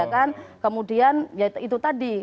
kemudian ya itu tadi